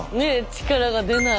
「力が出ない」。